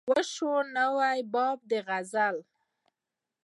وا شو نوی باب د غزل